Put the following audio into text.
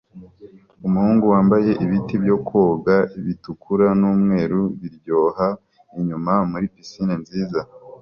Umuhungu wambaye ibiti byo koga bitukura n'umweru byiroha inyuma muri pisine nziza